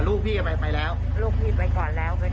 ไม่รู้เด็กมีเยอะแยะเด็กในบ้านหรือในซอยในซอยอืม